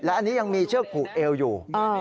อันนี้ยังมีเชือกผูกเอวอยู่